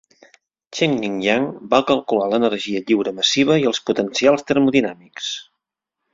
Chen-Ning Yang va calcular l'energia lliure massiva i els potencials termodinàmics.